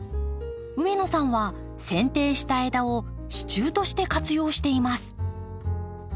上野さんはせん定した枝を支柱として活用しています。